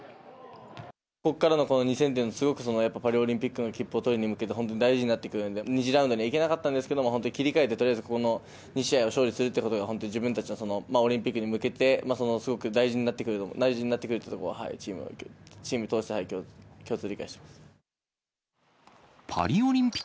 ここからの２戦っていうのは、すごくやっぱパリオリンピックの切符を取りにいくに向けて、本当に大事になってくるんで、２次ラウンドに行けなかったんですけれども、本当に切り替えて、この２試合を勝利するってことが、本当に自分たちのそのオリンピックに向けて、すごく大事になってくると、大事になってくるというところが、チームとして共通理解しています。